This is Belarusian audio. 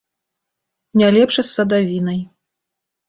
Не лепш і з садавінай.